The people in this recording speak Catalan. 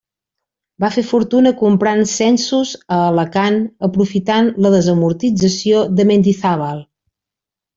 Va fer fortuna comprant censos a Alacant aprofitant la desamortització de Mendizábal.